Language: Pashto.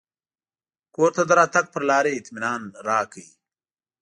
کور ته د راتګ پر لار یې اطمنان راکړ.